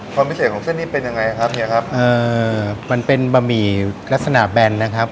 ความพิเศษของเส้นนี้เป็นยังไงครับเฮียครับเอ่อมันเป็นบะหมี่ลักษณะแบนนะครับ